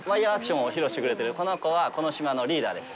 この子はこの島のリーダーです。